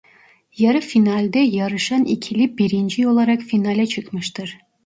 Yarı finalde yarışan ikili birinci olarak finale çıkmıştır.